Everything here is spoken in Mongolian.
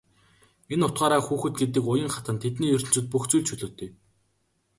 Энэ утгаараа хүүхэд гэдэг уян хатан тэдний ертөнцөд бүх зүйл чөлөөтэй.